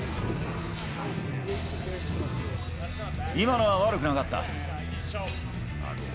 今のは悪くなかった。